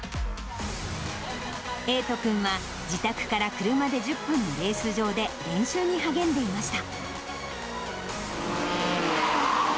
瑛斗君は、自宅から車で１０分のレース場で、練習に励んでいました。